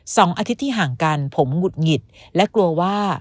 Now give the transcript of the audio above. สองอาทิตย์ที่ห่างกันผมหงุดหงิดและกลัวว่า